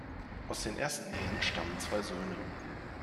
Aus den ersten Ehen stammen zwei Söhne.